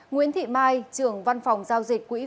nguyễn thị mai trưởng văn phòng giao dịch quỹ